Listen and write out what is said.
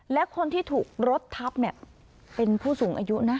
และคนที่ถูกรถทับเนี่ยเป็นผู้สูงอายุนะ